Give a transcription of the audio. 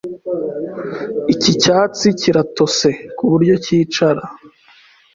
Iki cyatsi kiratose kuburyo cyicara.